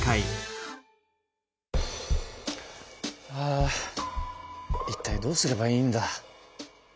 あいったいどうすればいいんだ。